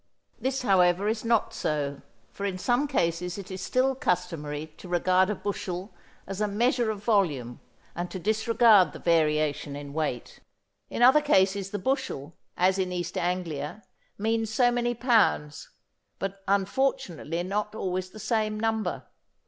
This however is not so, for in some cases it is still customary to regard a bushel as a measure of volume and to disregard the variation in weight. In other cases the bushel, as in East Anglia, means so many pounds, but unfortunately not always the same number.